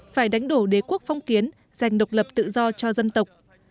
phải đánh đổ đế quốc phong kiến giành độc lập tự do cho dân tộc